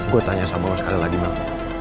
gue tanya sama lo sekali lagi mel